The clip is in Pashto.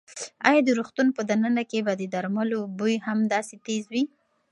ایا د روغتون په دننه کې به د درملو بوی هم داسې تېز وي؟